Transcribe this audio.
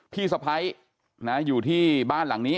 พี่สะพ้ายอยู่ที่บ้านหลังนี้